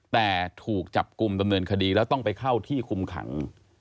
แต่ถูกจับกลุ่มดำเนินคดีแล้วต้องไปเข้าที่คุมขัง